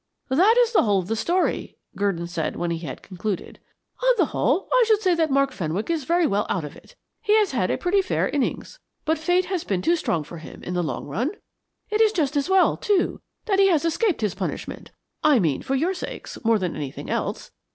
"That is the whole of the story," Gurdon said when he had concluded. "On the whole, I should say that Mark Fenwick is very well out of it. He has had a pretty fair innings, but Fate has been too strong for him in the long run. It is just as well, too, that he has escaped his punishment I mean, for your sakes, more than anything else.